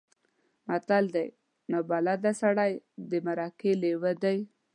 متل دی: نابلده سړی د مرکې لېوه دی.